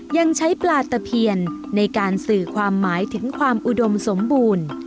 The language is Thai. ยังใช้ปลาตะเพียนในการสื่อความหมายถึงความอุดมสมบูรณ์